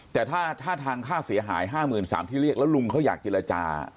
แต่ถ้าถ้าทางค่าเสียหายห้าหมื่นสามที่เรียกแล้วลุงเขาอยากจิลจา